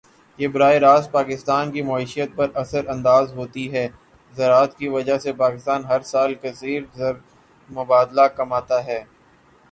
یہ براہِ راست پاکستان کی معیشت پر اثر اندازہوتی ہے۔ زراعت کی وجہ سے پاکستان ہر سال کثیر زرمبادلہ کماتا ہے.